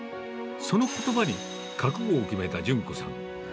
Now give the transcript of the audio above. そのことばに、覚悟を決めた順子さん。